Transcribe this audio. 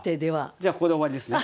じゃあここで終わりですね？